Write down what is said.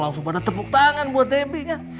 langsung pada tepuk tangan buat debbie ya